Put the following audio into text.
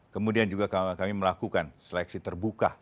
kemudian juga kami melakukan seleksi terbuka